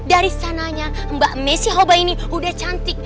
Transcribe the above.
dari sananya mbak messi hoba ini udah cantik